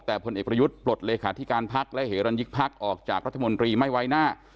แต่พลเอกประยุทธ์ปลดเลขาธิการพักและเหรันยิกพักออกจากรัฐมนตรีไม่ไว้หน้า